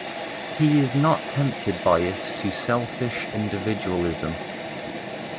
He is not tempted by it to selfish individualism.